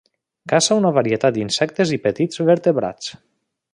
Caça una varietat d'insectes i petits vertebrats.